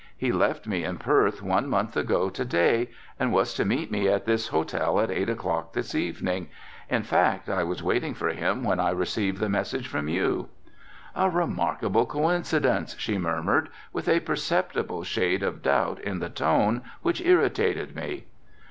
He left me in Perth one month ago to day and was to meet me at this hotel at eight o'clock this evening, in fact I was waiting for him when I received the message from you." "A remarkable coincidence," she murmured, with a perceptible shade of doubt in the tone which irritated me.